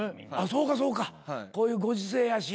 そうかそうかこういうご時世やし。